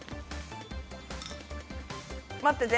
待ってて。